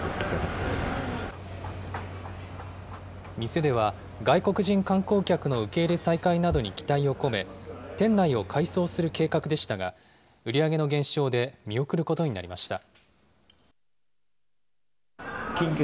店では、外国人観光客の受け入れ再開などに期待を込め、店内を改装する計画でしたが、売り上げの減少で見送ることになりました。